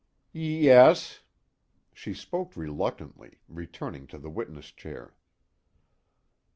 "Yes." She spoke reluctantly, returning to the witness chair.